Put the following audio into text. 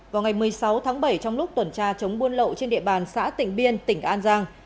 vào ngày một mươi sáu tháng bảy trong lúc tuần tra chống buôn lậu trên địa bàn xã tỉnh biên tỉnh an giang